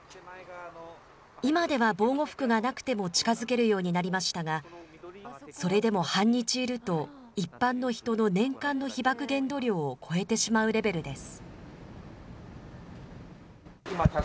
今では防護服がなくても近づけるようになりましたが、それでも半日いると、一般の人の年間の被ばく限度量を超えてしまうレベルです。